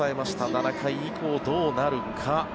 ７回以降、どうなるか。